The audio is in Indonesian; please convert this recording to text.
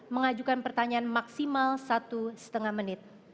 mengajukan pertanyaan maksimal satu lima menit